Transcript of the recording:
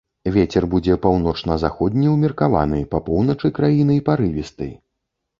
Вецер будзе паўночна-заходні ўмеркаваны, па поўначы краіны парывісты.